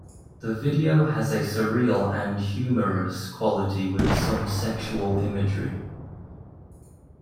The video has a surreal and humorous quality with some sexual imagery.